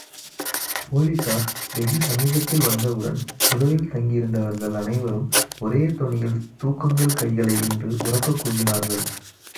போலிஸார் வெகுசமீபத்தில் வந்தவுடன் புதரில் தங்கியிருந்தவர்கள் அனைவரும் ஒரே தொனியில் தூக்குங்கள் கைகளை என்று உரக்கக் கூவினார்கள்.